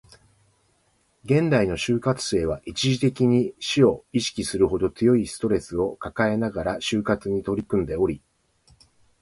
現代の就活生は、一時的に死を意識するほど強いストレスを抱えながら就活に取り組んでおり